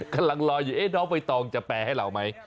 กำลังรออยู่โอ๊ยน้องมัยตองจะแปลให้เหล่ามั้ย